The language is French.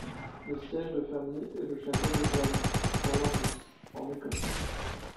Le siège de famille est le château de Glamis, dans l'Angus, en Écosse.